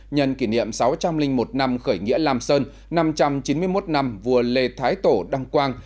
nhân kỷ niệm sáu trăm linh một năm khởi nghĩa lam sơn năm trăm chín mươi một năm vua lê thái tổ đăng quang